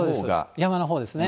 山のほうですね。